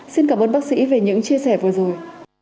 xin cảm ơn bác sĩ về những chia sẻ vừa rồi